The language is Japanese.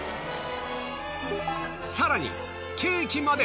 さらにケーキまで！